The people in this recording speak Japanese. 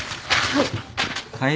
はい。